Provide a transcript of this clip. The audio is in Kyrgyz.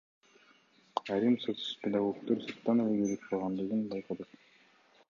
Айрым соцпедагогдор сырттан эле келип калгандыгын байкадык.